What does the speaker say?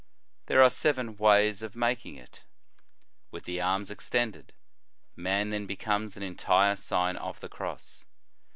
There are seven ways of making it: With the arms extended: man then becomes an entire Sign of the Cross.